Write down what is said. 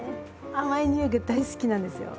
甘い匂いが大好きなんですよ。